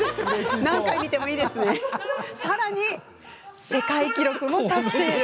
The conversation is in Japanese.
さらに世界記録も達成。